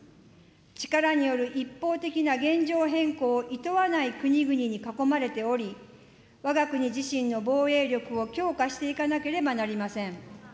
力による一方的な現状変更をいとわない国々に囲まれており、わが国自身の防衛力を強化していかなければなりません。